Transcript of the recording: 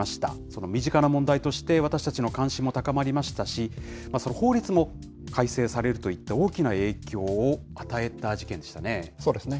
その身近な問題として、私たちの関心も高まりましたし、その法律も改正されるといった、大きな影そうですね。